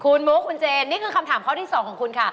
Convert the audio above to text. คุณมุกคุณเจนนี่คือคำถามข้อที่๒ของคุณค่ะ